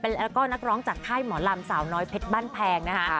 แล้วก็นักร้องจากค่ายหมอลำสาวน้อยเพชรบ้านแพงนะคะ